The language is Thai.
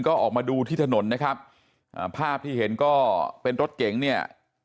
ก็ออกมาดูที่ถนนนะครับอ่าภาพที่เห็นก็เป็นรถเก๋งเนี่ย